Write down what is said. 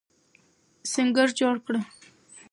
سنګر جوړ کړه.